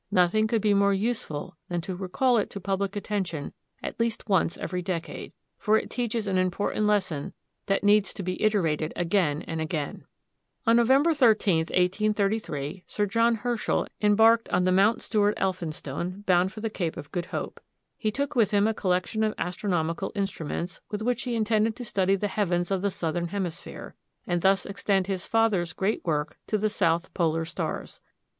Nothing could be more useful than to recall it to public attention at least once every decade; for it teaches an important lesson that needs to be iterated again and again. On November 13, 1833, Sir John Herschel embarked on the Mountstuart Elphinstone, bound for the Cape of Good Hope. He took with him a collection of astronomical instruments, with which he intended to study the heavens of the southern hemisphere, and thus extend his father's great work to the south polar stars.